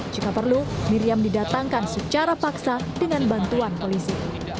jika perlu miriam didatangkan secara paksa dengan bantuan polisi